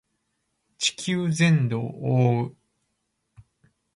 地球全土を覆う